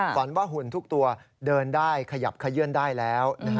ฝันว่าหุ่นทุกตัวเดินได้ขยับขยื่นได้แล้ว